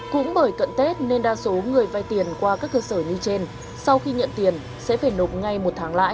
cũng bởi cỡ tết nên đa số người vay tiền qua các cơ sở trên sau khi nhận tiền sẽ phải lục ngay một tháng lại